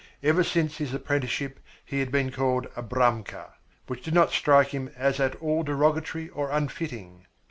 Ever since his apprenticeship he had been called "Abramka," which did not strike him as at all derogatory or unfitting.